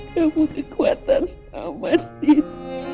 kamu kekuatan amat din